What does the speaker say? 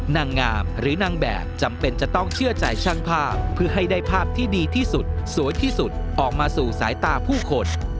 นางงามหรือนางแบบจำเป็นจะต้องเชื่อใจช่างภาพเพื่อให้ได้ภาพที่ดีที่สุดสวยที่สุดออกมาสู่สายตาผู้คน